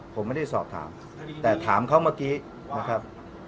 ผมไม่ได้สอบถามแต่ถามเขาเมื่อกี้นะครับ